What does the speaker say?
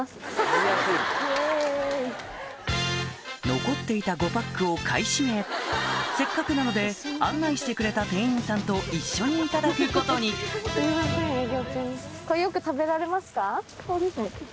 残っていた５パックを買い占めせっかくなので案内してくれた店員さんと一緒にいただくことにそうですね。